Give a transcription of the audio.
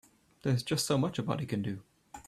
There's just so much a body can do.